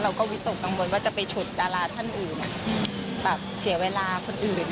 วิตกกังวลว่าจะไปฉุดดาราท่านอื่นแบบเสียเวลาคนอื่น